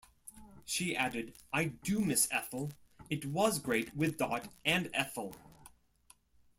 She added, I do miss Ethel, it was great with Dot and Ethel.